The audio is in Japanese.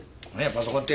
パソコンて。